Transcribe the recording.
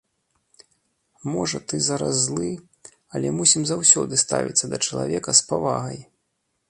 Можа, ты зараз злы, але мусім заўсёды ставіцца да чалавека з павагай!